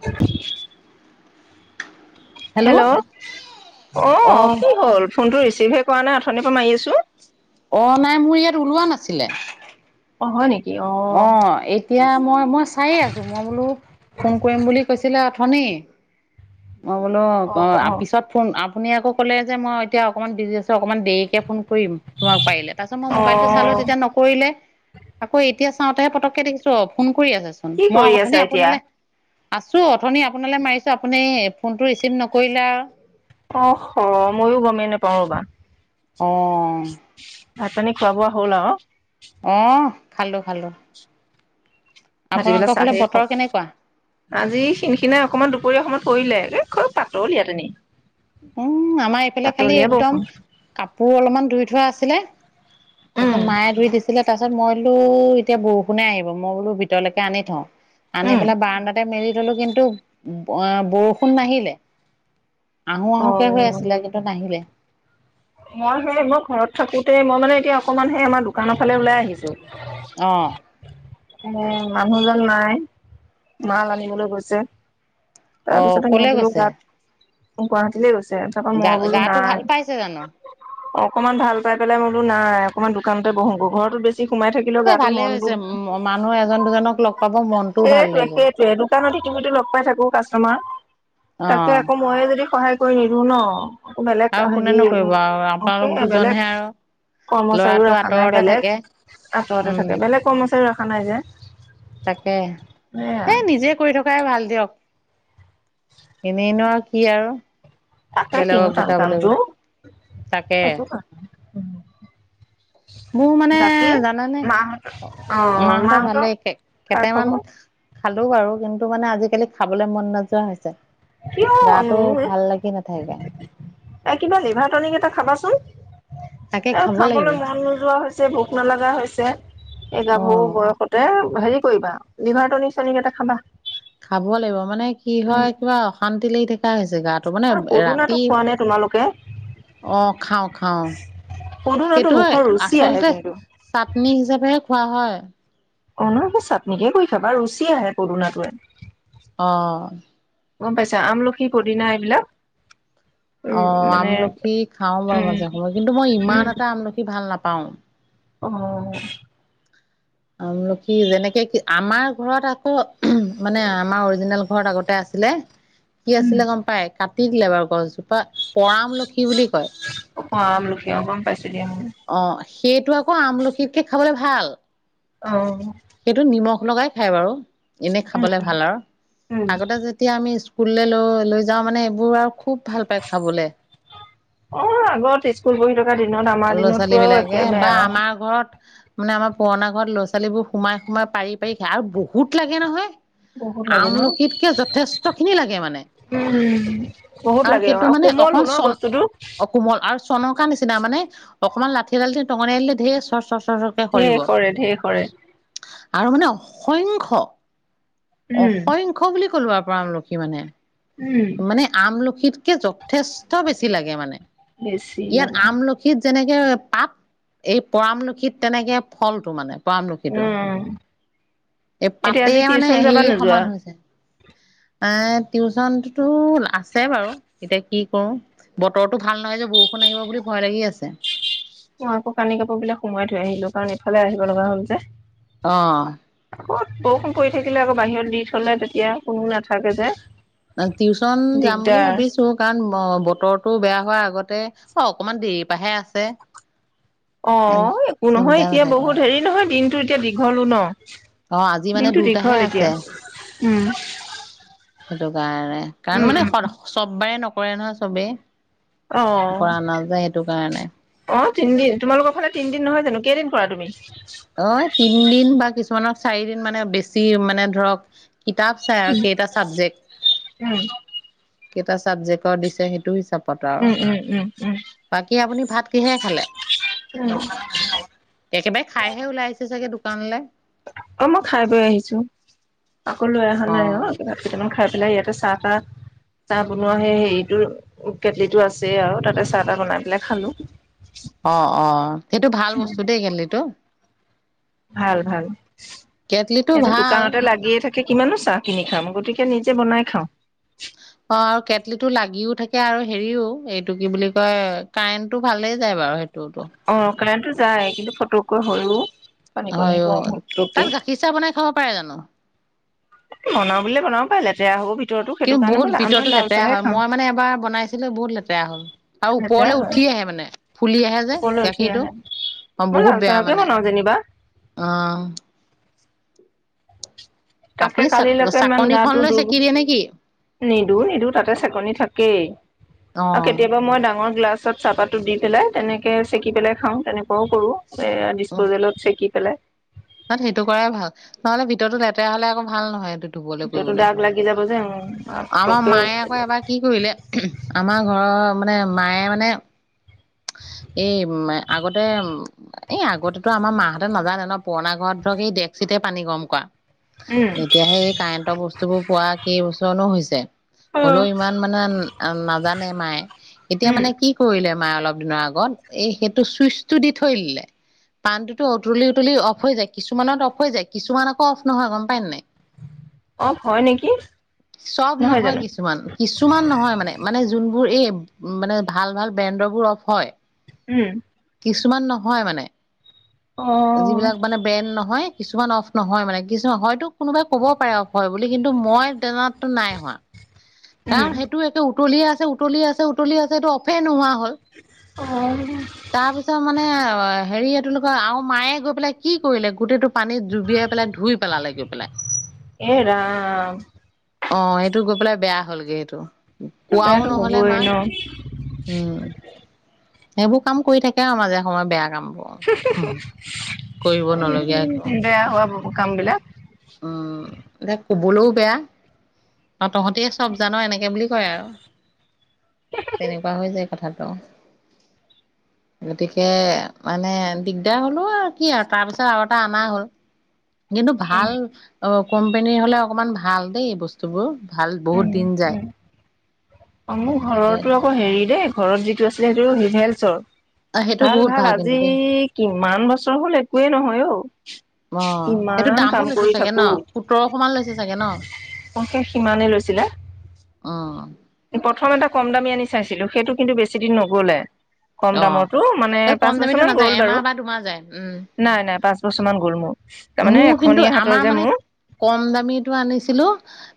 উ [unintelligible] হেল্ল' অ কি হ'ল ফোনটো। ৰিচিভহে কৰা নাই আথনিৰ পৰা মাৰি আছো। অ নাই মোৰ ইয়াত ওলোৱা নাছিলে। অহ হৈ নি। অ এতিয়া মই মই চাইে আছো মই বোলো ফোন কৰিম বুলি কৈছিলে। শনি। মই বোলো অ পিছত ফোন। আপুনি আকৌ কলে যে মই এতিয়া অকণমান বিজি আছোঁ। অকমান দেৰিকে ফোন কৰিম তোমাক পাৰিলে। তাৰপিছত মই অ মোবাইলটো চালো তেতিয়া নকৰিলে। আকৌ এতিয়া চাওঁতেহে পতককে দেখিছো অ ফোন। কৰি আছে চোন কি মই কৰি আছা অথনিয়ে এতিয়া? আপোনালৈ। আছো অথনি আপোনালৈ মাৰিছো। আপুনি ফোনটো ৰিচিভ নকৰিলে। অহ হ মইয়ো গমেই নাপাওঁ ৰ'বা। অ'হ। ভাত পানী খোৱা বোৱা হ'ল আও। অ খালোঁ খালোঁ আজিকালি চাহেই হওক কেনেকুৱা আজি খিনখিনাই অকণমান দুপৰীয়া সময়ত পৰিলে এ খুব পাতলিয়া তেনেই উম আমাৰ এইফালে খালি একদম কাপোৰ অলপমান ধুই থোৱা আছে ছিলে উম তাৰপিছত মায়ে ধুই দিছিলে তাৰপাছত মই বোলো এতিয়া বৰষুণে আহিব মই বোলো ভিতৰলৈকে আনি থওঁ আনি উম পেলাই বাৰাণ্ডাতে মেলি থলো কিন্তু অ বৰষুণ নাহিলে আহো অ আহোকে হৈ আছিলে কিন্তু নাহিলে মই সেই মই ঘৰত থাকোতে মই মানে এতিয়া অকণমান সেই আমাৰ দোকানৰ ফালে ওলাই আহিছো অহ উম মানুহজন নাই মাল আনিবলৈ গৈছে তাৰ পিছতে মই অকলে বোলো গৈছে গাত গুৱাহাটীলৈ গৈছে। তাৰপাছত গা মই বোলো গাটো ভাল পাইছে জানো নাই অকণমান ভাল পাই পেলাই মই বোলো নাই অকণমান দোকানতে বহো গৈ ঘৰতো বেছি সোমাই থাকিলেও এ গাটো ভালে মন হৈছে বোৰ মানুহ এজন দুজনক লগ পাব মনটোও ভাল সেইটোৱে লাগিব সেইটোৱে দোকানত ইতিমধ্যে লগ পাই থাকো কাষ্টমাৰ অ তাকে আকৌ মই যে, যদি সহায় কৰি নিদো ন বেলেগ আৰু হেৰি কোনেনো কৰিব আৰু আপোনালোক বেলেগ দুজনহে আৰু কৰ্মচাৰীও ল'ৰাটো ৰাখা নাই আঁতৰতে বেলেগ থাকে আঁতৰতে উম থাকে বেলেগ কৰ্মচাৰী নাই যে তাকে সেয়া এ নিজে কৰি থকাই ভাল দিয়ক এনেই নো আৰু কি আৰু তাকে কিনো বেলেগক টান গোটাবলৈ কামটো গৈ তাকে উম [inaudible] মোৰ মানে জানানে মাহঁত অ মা হতৰ মাহঁতৰ ভালেই কেক খা কেইটামান খবৰ খালো বাৰু কিন্তু মোৰ মানে আজিকালি খাবলৈ মন নোযোৱা হৈছে গাটো কিয়নো ভাল লাগি নাথাকে এই কিবা লিভাৰটনিক এটা খাবাচোন তাকে এ খাব লাগিব খাবলৈ মন নোযোৱা হৈছে ভোক নালাগা হৈছে এই অ গাভৰু বয়সতে হেৰি কৰিবা লিভাৰ টনিক চনিক এটা খাবা খাব লাগিব মানে কি উম হয় কিবা অশান্তি লাগি থাকে লাগি থকা হৈছে গা টো মানে আৰু পদুনাটো ৰাতি খোৱা নে তোমালোকে অ খাওঁ খাওঁ পদুনাটো সেইটোয়ে মুখৰ ৰুচি আহে আচলতে কিন্তু চাটনি হিচাপেহে হয় হয় অৱ চাতনিকে কৰি খাবা ৰুচি আহে পদুণাটোৱে অ গম পাইছা আমলখি, পুদিনা এইবিলাক। উম অৱ মানে আমলখি খাওঁ বাও মাজে উম সময়ে, কিন্তু মই ইমান এটা আমলখি ভাল নাপাওঁ। পাওঁ। অ' আমলখি যেনেকে কি আমাৰ ঘৰত আকৌ মানে আমাৰ অৰিজিনেল ঘৰত আগতে আছিলে কি আছিলে গম পাই কাটি দিলে বাৰু গছজোপা পৰা আমলখি বুলি কয় অ আমলখি গম পাইছো দিয়া। অ' সেইটো আকৌ আমলখিতকৈ খাবলে ভাল। অ। সেইটো নিমখ লগাই খাই বাৰু এনেই উম খাবলে ভাল আও উম আগতে যেতিয়া আমি স্কুললৈ লৈ লৈ যাওঁ মানে এইবোৰ আও খুব ভাল পায় খাবলৈ অৱ আগত স্কুল বহি থাকোতে ল'ৰা-ছোৱালী বিলাকে বা আমাৰ ঘৰত মানে আমাৰ পুৰণা ঘৰত ল'ৰা-ছোৱালীবোৰ সোমাই সোমাই পাৰি পাৰি খায় আৰু বহুত লাগে নহয়। বহুত লাগে ন? আমলখিতকে যথেষ্ট খিনি লাগে মানে উম, বহুত আৰু লাগে সেইটো মানে কোমলো অকন ন চন বস্তুটো। অ কোমল আৰু চনকা নিচিনা মানে অকনমান লাঠি এডাল দি টঙনিয়ায় দিলে ধেৰ চৰ চৰ চৰকে সৰিব। ধেই সৰে ধেৰ সৰে। আৰু মানে অসংখ্য উম, অসংখ্য বুলি থলোৱাৰ পৰা আমলখি মানে উম। মানে আমলখিত কে যথেষ্ট বেছি লাগে মানে। বেছি ইয়াত লাগে। আমলখিত যেনেকে পাপ, এই পৰামলুখিত তেনেকে ফলটো মানে। পামলখিতো, উম, এই এতিয়া পাতে আজি মানে টিউচন যাবা হেৰিয়ে নোযোৱা? সমান এৱ টিউচনতো আছে বাৰু, এতিয়া কি কৰো বতৰটো ভাল নহয় যে বৰষুণ আহিব বুলি ভয় লাগি আছে। মো আকৌ কানি কাপোৰ বিলাক সোমাই থৈ আহিলো কাৰণ এইফালে আহিব লগা হল যে। অৱ আকৌ বৰষুণ পৰি থাকিলে আকৌ বাহিৰত দি থলে তেতিয়া কোনো না টিউচন যাম বুলি দিগদাৰ। ভাবিছো কাৰণ বতৰটো বেয়া হোৱাৰ আগত তে অ অকমান দেৰি পা হে আছে অ একো নহয় চিন্তা এতিয়া নাথাকে। বহুত হেৰি নহয় দিন তো এতিয়া দীঘলো ন অ আজি মানে দিনতো দুটাহে দীঘল এতিয়া আছে। উম সেইটো কাৰণে কাৰণ উম, মানে উম, চব বাৰে নক কৰে নহয় চবেই অ', কৰা নাযায় সেইটো কাৰণে অ', তিনদিন তোমালোকৰ ফালে তিনিদিন নহয় জানো কেইদিন কৰা তুমি অ তিনদিন বা কিছুমানৰ চাৰিদিন মানে বেছি মানে ধৰক কিতাপ চাই আৰু কেইটা চাবজেক্ট উম। কেইটা ছাব্জেক্টৰ দিছে সেইটো হিচাপ পত আৰু উম উম উম বাকী আপুনি ভাত কিহে খালে উম উম একেবাৰে খাইহে ওলাইছে চাগে দোকানলৈ অ মই খাই বৈ আহিছো আকৌ লৈ অহা নাই অ কেইটামান খাই পেলাই ইয়াতে আছোঁ চাহ তাহ চাহ বনোৱা সেই হেৰিটো কেটলি টো আছে আৰু তাতে চাহ তাহ বনাই পেলাই খালো অ অ সেইটো ভাল বস্তু দেই কেটলিটো ভাল ভাল কেটলিটো ইয়াতে ভাল দোকানতে লাগিয়ে থাকে কিমানো চাহ কিনি খাম গতিকে নিজে বনাই খাওঁ অ আৰু কেটলিটো লাগিও থাকে আৰু হেৰিও এইটো কি বুলি কয় কাৰেন্টটো ভালেই যায় বাৰু সেইটো টটো কাৰেন্ত টো যায় কিন্তু ফটককৈ হৈও হয় অ তাত গাখীৰ চাহ বনাই খাব পাৰে জানো বনাও বুলিলে বনাব পাই লেতেৰা হব ভিত কিন্তু বহুত ভিতৰতো লেতেৰা হয় মই মানে এবাৰ বনাইছিলো বহুত লেতেৰা হ'ল আৰু লেতেৰা ওপৰলে হয় উঠি আহে মানে ফুলি আহে যে ওপৰলৈ উঠি গাখীৰটো আহে অ মই লাল বহুত বেয়া চাহকে মানে বনাও যেনিবা অহ তাকে চ কালিলৈকে ইমান চাকনিখন গাটো লৈ দুৰ চেকি দিয়ে নেকি? নিদো নিদো তাতে চেকনি থাকেই অ আৰু কেতিয়াবা মই ডাঙৰ গ্লাছত চাহপাতটো দি পেলাই তেনেকৈ চেকি পেলাই খাওঁ তেনেকোৱাও কৰোঁ এ ডিচপজেলত চেকি পেলাই ত সেইটো কৰাই ভাল নহ'লে ভিতৰতো লেতেৰা হ'লে আকৌ ভাল নহয় ধুবলৈ এতিয়াতো কৰিবলৈ দাগ লাগি যাব যে আমাৰ পতককে মায়ে আকৌ এবাৰ কি কৰিলে আমাৰ ঘৰৰ মানে মায়ে মানে। এই আগতে এই আগতেতো আমাৰ মাহঁতে নাজানে ন পুৰণা ঘৰত ধৰক এই ডেকচিতে পানী গৰম কৰা। উম এতিয়াহে এই কাৰেণ্টৰ বস্তুবোৰ পোৱা কেইবছৰনো হৈছে? হলেও ইমান মানে নাজানে মায়ে এতিয়া উম মানে কি কৰিলে। মা অলপ। দিনৰ আগত এই সেইটো চুইচ টো দি থৈ দিলে পান টোতো উতলি উতলি অফ হৈ যায়। কিছুমানত অফ হৈ যায়। কিছুমান আকৌ অফ নহয় গম পায় নে নাই। অফ হয় নেকি চব নহয়, কিছুমান কিছুমান নহয় মানে মানে যোন। মোৰ এই মানে ভাল ভাল ব্ৰেণ্ড ৰ বোৰ অফ্। হয়। উম। কিছুমান নহয় মানে। অ যিবিলাক মানে ব্ৰেণ্ড নহয়। কিছুমান অফ নহয় মানে কিছুমান হয়তো কোনোবাই ক'ব পাৰে অফ হয় বুলি কিন্তু মই জনাত। নাই হোৱা উম কাৰণ সেইটোৱে একে। উতলি আছে উতলি আছে উতলি আছে এইটো অফে নোহোৱা। হ'ল। অ'হ। একদম মানে অ। হেৰি এইটোলোকৰ আৰু মায়ে গৈ পেলাই কি কৰিলে গোটেইটো পানীত জুবিয়াই পেলাই ধুই পেলালে গৈ পেলাই। এৰাম। অ এইটো গৈ পেলাই বেয়া হ'লগে সেইটো। সেইটো কোৱাও বেয়াটো নহলে হ'বই মাক ন। উম সেইবোৰ। কাম কৰি থাকে আউ মাজে সময় বেয়া কাম। নলগীয়া উম একো বেয়া হোৱা বোৰ। মোৰ কামবিলাক। উম এতিয়া কবলৈও বেয়া তহঁতহতিয় চব জানো এনেকে বুলি কয় আৰু তেনেকুৱা হৈ যায়। কথাটো গতিকে মানে দিগদাৰ হলো আৰু কি আৰু তাৰ পিছত আৰু এটা অনা হল। কিন্তু উম ভাল। অ কোম্পানীৰ হলে অকণমান ভাল দেই বস্তুবোৰ। ভাল উম বহুত দিন যায়। উম অ মোৰ ঘৰৰতো আকৌ হেৰি দেই। ঘৰত যিটো আছিলে সেইটো হিভেলছৰ। অ সেইটো ভাল বহুত ভাল কিন্তু আজি দেই কিমান বছৰ হল একোৱেই নহয় অ, অ সেইটো কিমান দামো কাম লৈছে কৰি চাগে ন থাকো, সোতৰশ মান লৈছে চাগে ন কশেষ সিমানে লৈছ। অ'হ। প্ৰথম এটা কম দামী আনি চাইছিলো সেইটো কিন্তু বেছি দিন নগলে। কম অ দামৰটো মানে এই কম পাঁচ বছৰ দামীটো মান নাযায় গ'ল বাৰু এমাহ বা দুমাহ যায়, উম নাই নাই পাঁচ বছৰ মান গ'ল মোৰ তাৰমানে মোৰ কিন্তু এখনীয়া হাতৰ আমাৰ যে মানে মোৰ কম দামীটো আনিছিলো।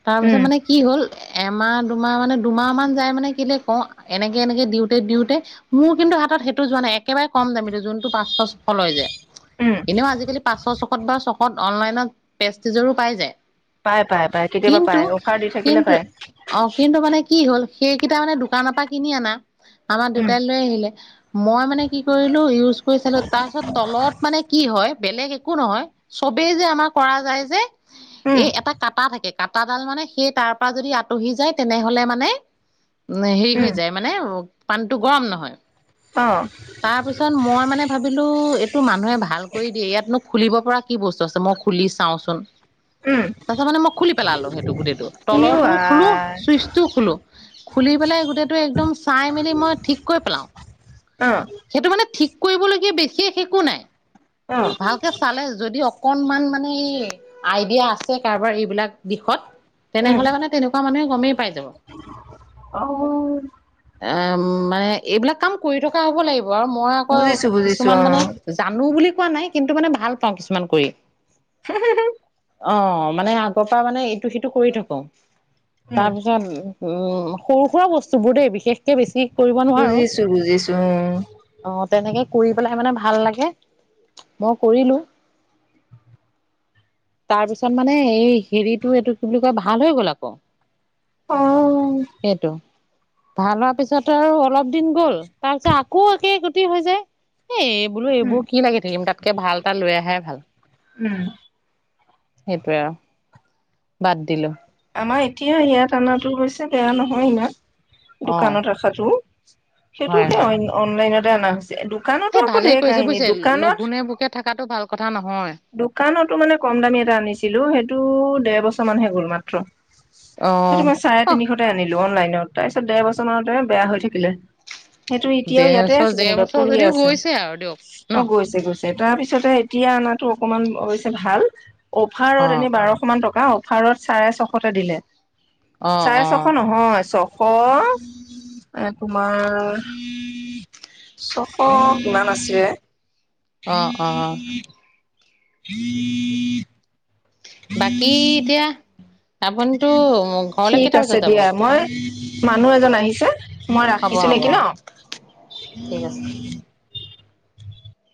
তাৰপিছত উম মানে কি হল এমাহ। দুমাহ মানে দুমাহ মান যাই মানে কিলে কওঁ। এনেকে এনেকে দিওঁতে দিওঁতে। মোৰ কিন্তু হাতত সেইটো যোৱা নাই। একেবাৰে কম দামীতো যোনটো পাঁচ ছশ লয় যে। উম এনেও আজিকালি পাঁচশ চক। ত বা ছশত অনলাইনত পেষ্টিজোৰো পাই যায়। পাই পাই পাই কেতিয়াবা পাই কিন্তু অফাৰ দি থাকিলে কিন্তু পাই অ কিন্তু মানে কি হ'ল সেইকেইটা মানে দোকানৰ পৰা কিনি আনা। আমাৰ উম তাই লৈ আহিলে। মই মানে কি কৰিলো ইউজ কৈ চালোঁ তাৰ পিছত তলত মানে কি হয়। বেলেগ একো নহয় চবেই যে আমাৰ কৰা যায় যে উম এ এটা কাটা থাকে কাটাডাল মানে সেই তাৰ পৰা যদি আঁতহি যায় তেনেহলে মানে হেৰি উম হৈ যায় মানে পাণ টো গৰম নহয় অ তাৰ পিছত মই মানে ভাবিলো তো মানুহে ভাল কৰি দিয়ে ইয়াতনো খুলিব পৰা কি বস্তু আছে মই খুলি চাওঁচোন। উম তাৰ পিছত মানে মই খুলি পেলালো সেইটো গোটেইটো, ইউ তলৰটোও খুলো আই চুইচটোও খুলো, খুলি পেলাই গোটেইটো একদম চাই মেলি মই ঠিক কৰি পেলাও অ সেইটো মানে ঠিক কৰিবলগীয়া বিশেষ একো নাই অ ভালকে চালে যদি অকনমান মানে এই আইডিয়া আছে কাৰোবাৰ এইবিলাক দিশত উম তেনেহলে মানে তেনেকুৱা মানুহে কমেই পাইছে অ অ মানে এইবিলাক কাম কৰি থকা হ'ব লাগিব। আৰু মই আকৌ বুজিছো বুজিছো কিছুমান অ মানে জানো বুলি পোৱা নাই কিন্তু মানে ভাল পাওঁ কিছুমান কৰি উম উম উম অ মানে আগৰ পৰা মানে টো সেইটো কৰি থাকো উম তাৰপিছত উম সৰু সুৰা বস্তু বোৰ দেই বিশেষ। বেছি কৰিব নোৱাৰো বুজিছো বুজিছো অ। তেনেকে কৰি পেলাই মানে ভাল লাগে। মই কৰিলো তাৰপিছত মানে এই হেৰিটো এইটো কি বুলি কয় ভাল হৈ গল আকৌ উম। সেইটো ভাল হোৱাৰ পিছত আৰু অলপ দিন গ'ল তাৰপিছত আকৌ একে গতি হৈ যায় এ এই বোলো উম এইবোৰ কি লাগে তাতকে ভাল এটা লৈ আহে ভাল উম সেইটোৱে আৰু বাদ দিলো আমাৰ এতিয়া ইয়াত আনা টো হৈছে বেয়া নহয় ইমান অ দোকানত ৰাখাটো সেইটো হয় সে হয়। অইন অনলাইন দিয়া না এই দোকানতো আকৌ ভালে ঢেৰ কৰিছে কাহিনী বুজিছে দোকানত লঘোনে ভোকে থকাটো ভাল কথা নহয়। দোকানতো মানে কম দামী এটা আনিছিলো সেইটো দেৰ বছৰ মানে গল মা [unintelligible] অ। সেইটো মই চাৰে অ তিনিশতে আনিলো অনলাইন তাৰ পিছত দেৰ বছৰ মানতে বেয়া হৈ থাকিলে সেইটো এতিয়াও দেৰ ইয়াতে বছৰ আছে দেৰ যেনিবা বছৰ পৰি যদিও আছে গৈছে আৰু দিয়ক ন। অ গৈছে গৈছে তাৰপিছতে এতিয়া আাত টো অকমান অৱশ্যে ভাল অফাৰত অ এনে বাৰশ মান টকা ভাৰত চাৰে ছশটা দিলে অ চাৰে অ ছশ নহয় ছশ এশ তোমাৰ ছশ কিমান আছে অ অ উম বাকী এতিয়া আপুনিটো ঘৰলে ঠিক কেইটা আছে বজাত যাব দিয়া মই মানুহ এজন আহিছে মই হ'ব ৰাখিছোঁ হ'ব নেকি ন ঠিক আছে।